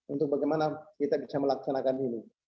untuk bagaimana kita bisa melaksanakan ini